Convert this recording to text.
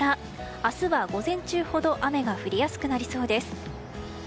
明日は午前中ほど雨が降りやすくなりそうです。